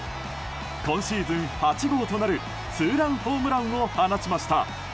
今シーズン８号となるツーランホームランを放ちました。